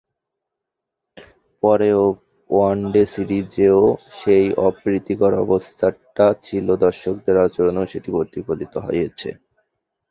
পরে ওয়ানডে সিরিজেও সেই অপ্রীতিকর অবস্থাটা ছিল, দর্শকদের আচরণেও সেটি প্রতিফলিত হয়েছে।